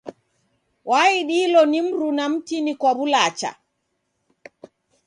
Waidilo ni mruna mtini kwa w'ulacha.